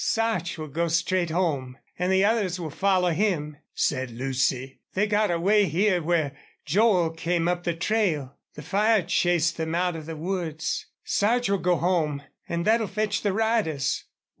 "Sarch will go straight home, and the others will follow him," said Lucy. "They got away here where Joel came up the trail. The fire chased them out of the woods. Sarch will go home. And that'll fetch the riders."